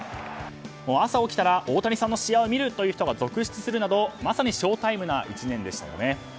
朝起きたら、大谷さんの試合を見るという人が続出するなど、まさに翔タイムな１年でしたよね。